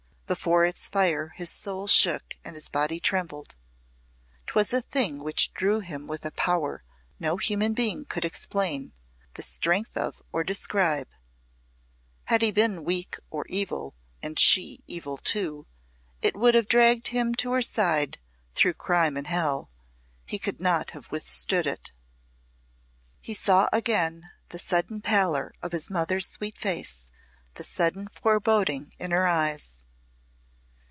Before its fire his soul shook and his body trembled; 'twas a thing which drew him with a power no human being could explain the strength of or describe; had he been weak or evil, and she evil, too, it would have dragged him to her side through crime and hell; he could not have withstood it. He saw again the sudden pallor of his mother's sweet face, the sudden foreboding in her eyes.